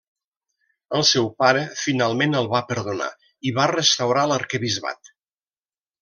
El seu pare finalment el va perdonar i va restaurar l'arquebisbat.